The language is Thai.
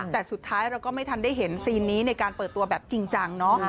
แต่สุดท้ายเราก็ไม่ทันได้เห็นซีนนี้ในการเปิดตัวแบบจริงจังเนาะ